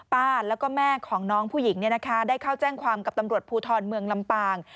ป้าแล้วก็แม่ของน้องผู้หญิงได้เข้าแจ้งความกับตำรวจภูทรเมืองลำปาง